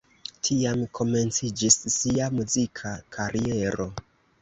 Tiam komenciĝis sia muzika kariero.